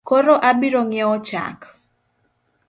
Koro abirong’iewo chak?